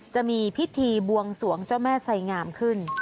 จะมีพิธีบวงสวงเจ้าแม่ไสงามขึ้น